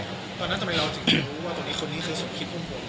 ตอนนั้นทำไมเราจึงรู้ว่าตรงนี้คนนี้คือสมคิดพวกผม